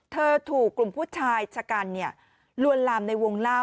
ถูกกลุ่มผู้ชายชะกันลวนลามในวงเล่า